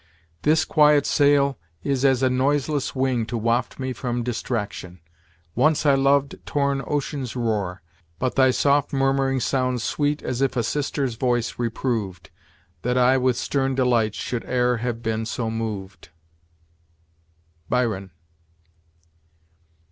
This quiet sail is as a noiseless wing To waft me from distraction; once I loved Torn ocean's roar, but thy soft murmuring Sounds sweet as if a sister's voice reproved, That I with stern delights should e'er have been so moved." BYRON.